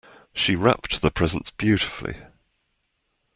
She wrapped the presents beautifully.